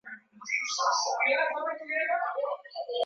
Kukupenda wewe kila siku baada ya kukujua ni lengo langu.